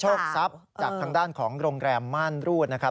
จากทางด้านของโรงแรมม่านรูดนะครับ